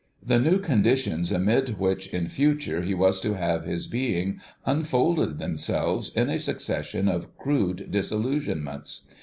The new conditions amid which in future he was to have his being unfolded themselves in a succession of crude disillusionments.